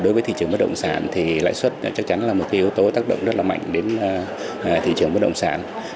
đối với thị trường bất động sản thì lãi suất chắc chắn là một yếu tố tác động rất là mạnh đến thị trường bất động sản